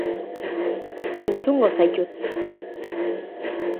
Entzungo zaitut.